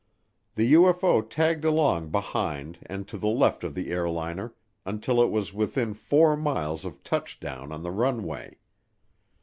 The UFO tagged along behind and to the left of the airliner until it was within four miles of touchdown on the runway.